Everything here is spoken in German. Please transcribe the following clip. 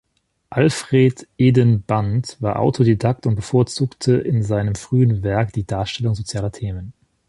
Alfred Eden-Bant war Autodidakt und bevorzugte in seinem frühen Werk die Darstellung sozialer Themen.